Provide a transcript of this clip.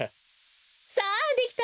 さあできたわ。